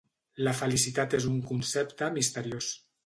La felicitat és un concepte misteriós.